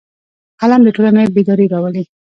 قلم د ټولنې بیداري راولي